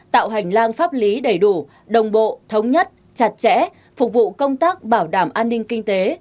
tạo hành lang pháp lý đầy đủ đồng bộ thống nhất chặt chẽ phục vụ công tác bảo đảm an ninh kinh tế